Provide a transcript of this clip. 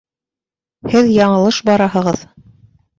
Һеҙ яңылыш бараһығыҙ